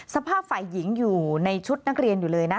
สภาพฝ่ายหญิงอยู่ในชุดนักเรียนอยู่เลยนะ